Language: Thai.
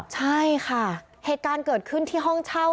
ใช่ค่ะเหตุการณ์เกิดขึ้นที่ห้องเช่า